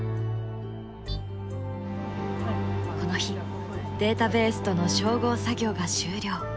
この日データベースとの照合作業が終了。